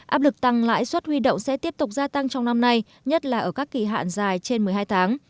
áp lực tăng lãi suất huy động sẽ tiếp tục gia tăng trong năm nay nhất là ở các kỳ hạn dài trên một mươi hai tháng